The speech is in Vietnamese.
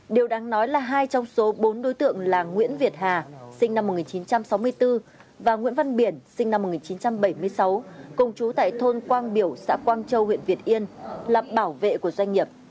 điều đáng nói là hai trong số bốn đối tượng là nguyễn việt hà sinh năm một nghìn chín trăm sáu mươi bốn và nguyễn văn biển sinh năm một nghìn chín trăm bảy mươi sáu cùng chú tại thôn quang biểu xã quang châu huyện việt yên là bảo vệ của doanh nghiệp